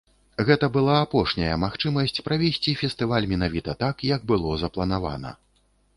Гэта была апошняя магчымасць правесці фестываль менавіта так, як было запланавана.